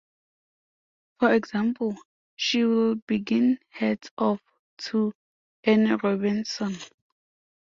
For example, she will begin Hats off to Anne Robinson!